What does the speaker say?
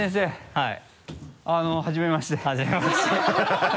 はい。